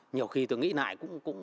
nhiều khi tôi nghĩ lại